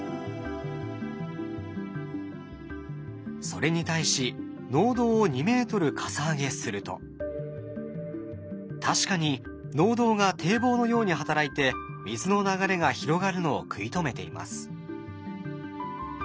それに対し確かに農道が堤防のように働いて水の流れが広がるのを食い止めています。